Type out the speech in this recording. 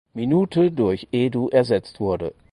Minute durch Edu ersetzt wurde.